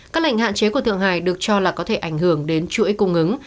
các lệnh hạn chế của thượng hải được cho là có thể ảnh hưởng đến chuỗi cung ứng